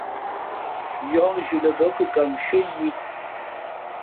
Yǒh nzhi lαbά kʉkam nshʉ́ά yǐ .